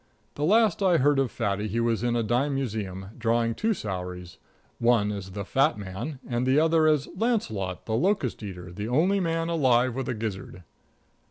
The last I heard of Fatty he was in a Dime Museum, drawing two salaries one as "The Fat Man," and the other as "Launcelot, The Locust Eater, the Only Man Alive with a Gizzard."